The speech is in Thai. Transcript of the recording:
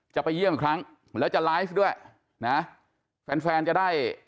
จะไปเยี่ยมอีกครั้งแล้วจะไลฟ์ด้วยนะแฟนแฟนจะได้